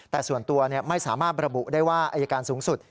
แต่ส่วนตัวไม่สามารถระบุได้ว่าอายการสูงสุด